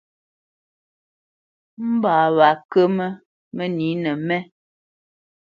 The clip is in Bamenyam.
Mbǎ wá nkǝmǝ mǝnǐnǝ mé.